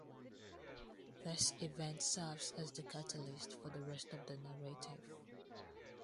This event serves as the catalyst for the rest of the narrative.